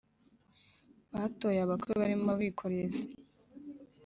batoye abakwe barimo abikorezi,